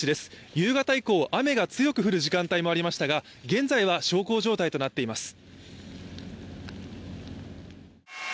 夕方以降、雨が強く降る時間帯もありましたが現在は小康状態となっています。